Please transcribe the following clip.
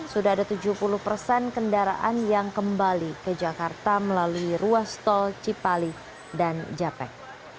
sudah ada tujuh puluh persen kendaraan yang kembali ke jakarta melalui ruas tol cipali dan japek